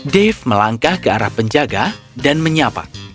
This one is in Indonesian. dave melangkah ke arah penjaga dan menyapa